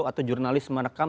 atau jurnalis merekam